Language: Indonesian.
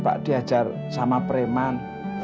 bapak diajar sama preman